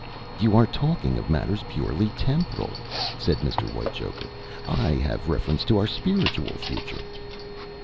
"You are talking of matters purely temporal," said Mr. Whitechoker. "I have reference to our spiritual future."